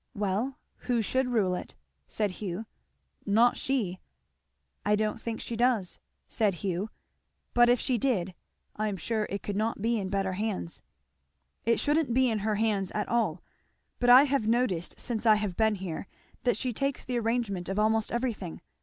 "Well who should rule it?" said Hugh. "Not she!" "I don't think she does," said Hugh; "but if she did, I am sure it could not be in better hands." "It shouldn't be in her hands at all. But I have noticed since I have been here that she takes the arrangement of almost everything.